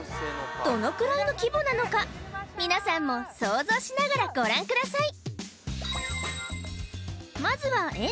どのくらいの規模なのか皆さんも想像しながらご覧ください